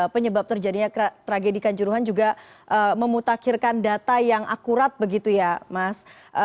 penyebab terjadinya tragedi kanjuruhan juga memutakhirkan data yang akurat begitu ya mas